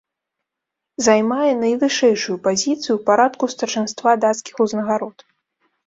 Займае найвышэйшую пазіцыю ў парадку старшынства дацкіх узнагарод.